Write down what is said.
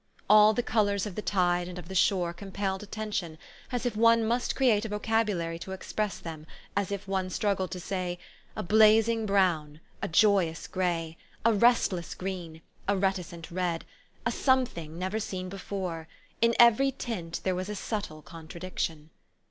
All the colors of the tide and of the shore compelled attention, as if one must create a vocabulary to express them, as if one struggled to say, A blazing brown, a joyous gray, a restless green, a reticent red, a something never seen before: in every tint there was a subtle contradiction.